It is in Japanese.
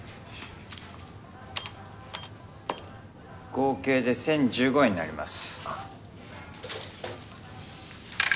合計で１，０１５円になります。